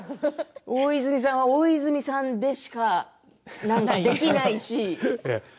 大泉さんは大泉さんにしかできないし。